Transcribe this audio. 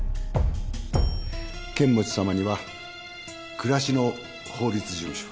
剣持さまには暮らしの法律事務所。